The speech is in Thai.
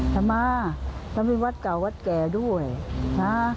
จะมาจะไปวัดเก่าวัดแก่ด้วยนะ